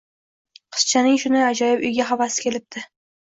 Qizchaning shunday ajoyib uyga havasi kelibdi